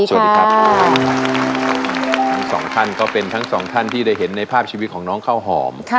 ทั้งสองท่านก็เป็นทั้งสองท่านที่ได้เห็นในภาพชีวิตของน้องเขาหอม